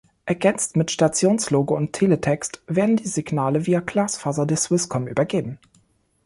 Ergänzt mit Stations-Logo und Teletext, werden die Signale via Glasfaser der Swisscom übergeben.